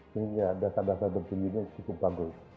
sehingga dasar dasar bertinju ini cukup bagus